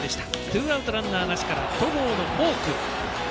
ツーアウト、ランナーなしから戸郷のフォーク。